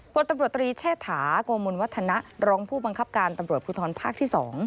พลตำรวจตรีเชษฐาโกมลวัฒนะรองผู้บังคับการตำรวจภูทรภาคที่๒